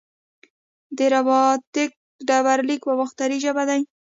د رباتک ډبرلیک په باختري ژبه دی